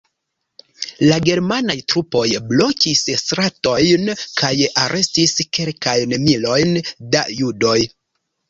La germanaj trupoj blokis stratojn kaj arestis kelkajn milojn da judoj.